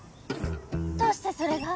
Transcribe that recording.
どどうしてそれが？